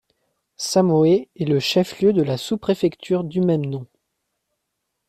Samoé est le chef-lieu de la sous-préfecture du même nom.